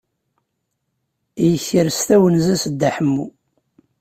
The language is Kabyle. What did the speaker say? Yekres tawenza-s Dda Ḥemmu.